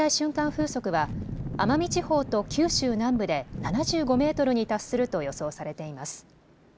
風速は奄美地方と九州南部で７５メートルに達すると予想されています。